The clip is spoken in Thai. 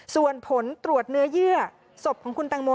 ส่วนผลตรวจเนื้อเยื่อศพของคุณตังโม